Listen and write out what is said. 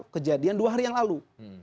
kejadian dua hari yang lalu